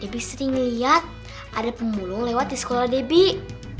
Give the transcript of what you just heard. debbie sering liat ada pemulung lewat di sekolah debbie